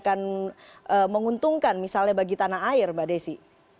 akan menguntungkan misalnya bagi tanah air mbak desi